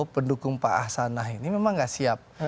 pendukung pak ahsanah ini memang nggak siap